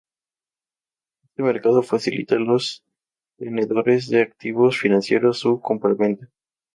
Este mercado facilita a los tenedores de activos financieros su compraventa.